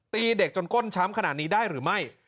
ตีเด็กจนก้นช้ำขนาดนี้ได้หรือไม่